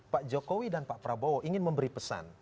pak jokowi dan pak prabowo ingin memberi pesan